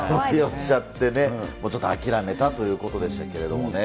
もうちょっと諦めたということでしたけれどもね。